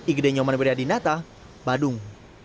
igede nyoman werdinata badung